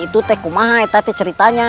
itu teku maha itu ceritanya